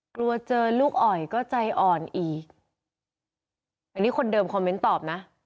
กลัวเจอลูกอ่อยก็ใจอ่อนอีกอันนี้คนเดิมคอมเมนต์ตอบนะ